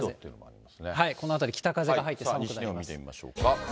ここ、このあたり、北風が入って寒西日本見てみましょうか。